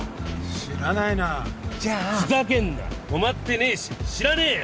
知らないなじゃあふざけんな止まってねえし知らねえよ！